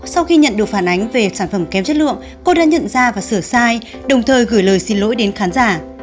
sau khi nhận được phản ánh về sản phẩm kém chất lượng cô đã nhận ra và sửa sai đồng thời gửi lời xin lỗi đến khán giả